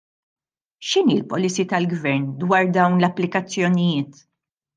X'inhi l-policy tal-gvern dwar dawn l-applikazzjonijiet?